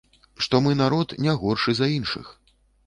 Што мы народ, не горшы за іншых.